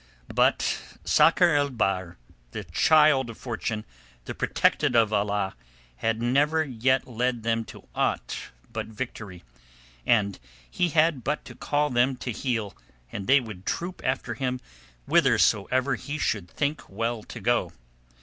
But Sakr el Bahr, the child of Fortune, the protected of Allah, had never yet led them to aught but victory, and he had but to call them to heel and they would troop after him whithersoever he should think well to go.